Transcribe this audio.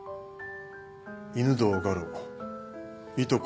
犬堂我路いとこ